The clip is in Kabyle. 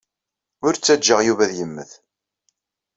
Ur ttaǧǧaɣ Yuba ad yemmet.